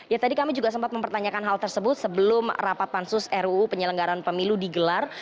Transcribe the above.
ya tadi kami juga sempat mempertanyakan hal tersebut sebelum rapat pansus ruu penyelenggaran pemilu digelar